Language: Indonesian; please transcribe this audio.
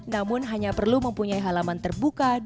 namun hanya perlu mempunyai halaman terbuka